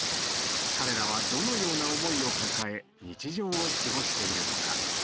彼らはどのような思いを抱え日常を過ごしているのか。